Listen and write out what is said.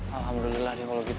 alhamdulillah dia kalau gitu